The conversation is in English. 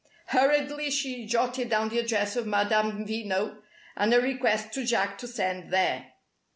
Hurriedly she jotted down the address of Madame Veno and a request to Jack to send there.